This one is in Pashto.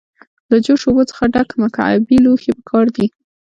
له جوش اوبو څخه ډک مکعبي لوښی پکار دی.